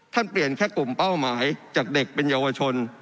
เปลี่ยนแค่กลุ่มเป้าหมายจากเด็กเป็นเยาวชน